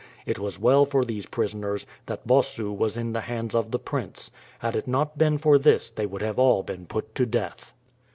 It was well for these prisoners, that Bossu was in the hands of the prince. Had it not been for this they would have all been put to death.